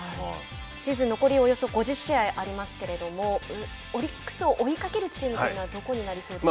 シーズン残り、およそ５０試合ありますけれどもオリックスを追いかけるチームはどこになりそうですか。